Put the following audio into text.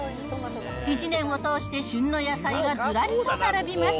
１年を通して旬の野菜がずらりと並びます。